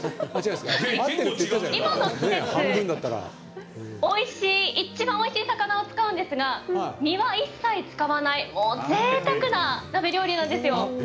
今の季節、一番おいしい魚を使うんですが身は一切使わないぜいたくな鍋料理なんですよ。